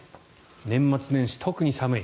年末年始、特に寒い。